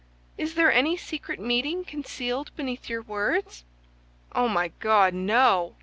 Is there any secret meaning concealed beneath your words?" "Oh, my God, no!"